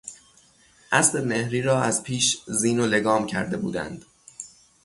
اسب مهری را از پیش زین و لگام کرده بودند.